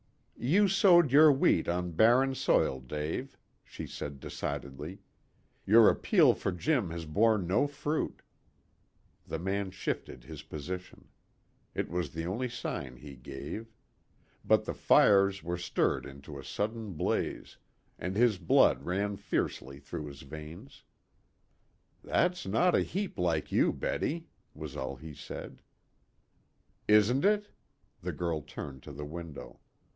"You sowed your wheat on barren soil, Dave," she said decidedly. "Your appeal for Jim has borne no fruit." The man shifted his position. It was the only sign he gave. But the fires were stirred into a sudden blaze, and his blood ran fiercely through his veins. "That's not a heap like you, Betty," was all he said. "Isn't it?" The girl turned to the window.